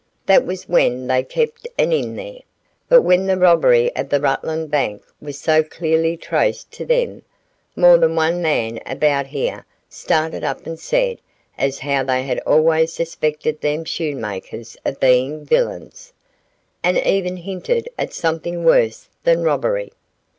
That was when they kept an inn there, but when the robbery of the Rutland bank was so clearly traced to them, more than one man about here started up and said as how they had always suspected them Shoenmakers of being villains, and even hinted at something worse than robbery.